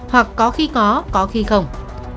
hoặc có khi có có khi không